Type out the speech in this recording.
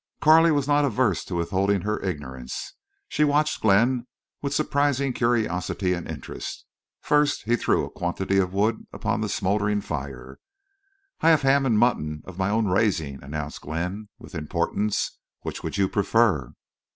Carley was not averse to withholding her ignorance. She watched Glenn with surpassing curiosity and interest. First he threw a quantity of wood upon the smoldering fire. "I have ham and mutton of my own raising," announced Glenn, with importance. "Which would you prefer?"